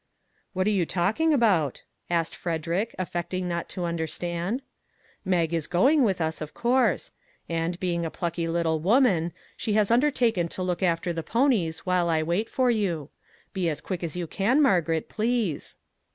"" What are you talking about ?" asked Fred erick, affecting not to understand. " Mag is going with us, of course; and, being a plucky little woman, she has undertaken to look after the ponies while I wait for you. Be as quick as you can, Margaret, please."